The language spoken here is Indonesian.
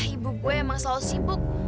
ibu gue emang selalu sibuk